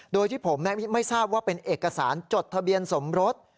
โดยที่ผมไม่ทราบว่าเป็นเอกสารจดทะเบียนสมรส